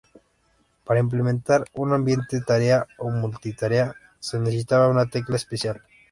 Para implementar un ambiente tarea o multitarea se necesitaba una tecla especial.